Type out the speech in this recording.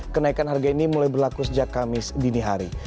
kenaikan harga ini mulai berlaku sejak kamis dini hari